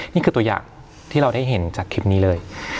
นี่คือตัวอย่างที่เราได้เห็นจากคลิปนี้เลย